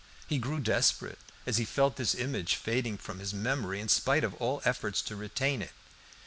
He grew desperate as he felt this image fading from his memory in spite of all efforts to retain it.